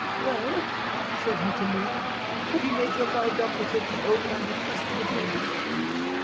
"'Well,' said he to me, 'have you made your mind up to take the oath I requested of you?